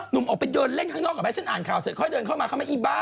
นุ่มออกไปยืนเล่นข้างนอกหากะแฟชั่นอ่านข่าวเสร็จค่อยเดินเข้ามาอีบ๊า